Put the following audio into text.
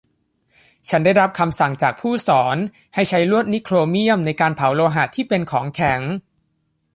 ฉันได้รับคำสั่งจากผู้สอนให้ใช้ลวดนิกโครเมี่ยมในการเผาโลหะที่เป็นของแข็ง